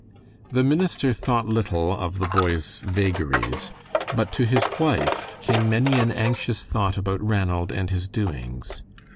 The minister thought little of the boy's "vagaries," but to his wife came many an anxious thought about Ranald and his doings.